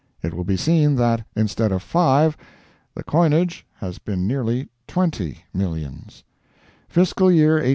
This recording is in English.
It will be seen that, instead of five, the coinage has been nearly twenty millions: FISCAL YEAR 1863 4.